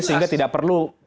sehingga tidak perlu